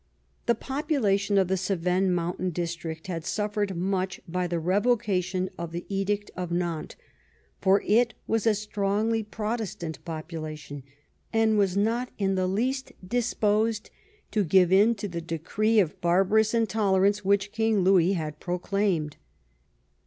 The population of the Ce vennes mountain district had suffered much by the revo cation of the edict of Nantes, for it was a strongly Prot estant population, and was not in the least disposed to give in to the decree of barbarous intolerance which King Louis had proclaimed.